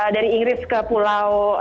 dari inggris ke pulau